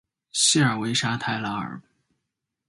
谢尔韦沙泰拉尔。